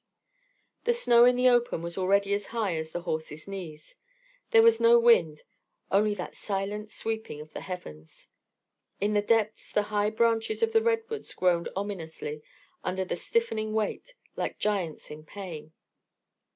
The snow in the open was already as high as the horses' knees. There was no wind, only that silent sweeping of the heavens. In the depths the high branches of the redwoods groaned ominously under the stiffening weight, like giants in pain.